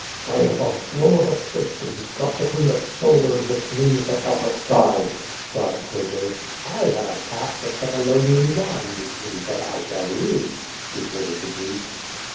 "I have a blow of the fist to l)e struck between the shoul ders which means that thou shalt die!" cried Croto. "1 have a cask of C'ephalonian wine, which means that 1 shall live!" retorted the Greek.